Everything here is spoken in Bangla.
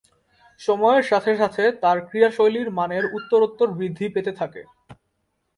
সময়ের সাথে সাথে তার ক্রীড়াশৈলীর মানের উত্তরোত্তর বৃদ্ধি পাতে থাকে।